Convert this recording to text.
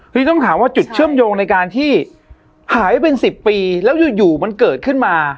ทีนี้ต้องถามว่าจุดเชื่อมโยงในการที่หายไปเป็น๑๐ปีแล้วอยู่มันเกิดขึ้นมา